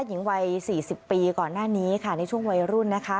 หญิงวัยสี่สิบปีก่อนหน้านี้ค่ะในช่วงวัยรุ่นนะคะ